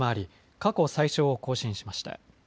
過去最少を更新しました。